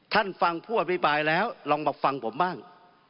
ท่านฟังผู้อภิปรายแล้วลองมาฟังผมบ้าง